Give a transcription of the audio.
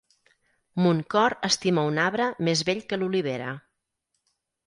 Mon cor estima un arbre més vell que l'olivera.